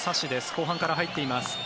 後半から入っています。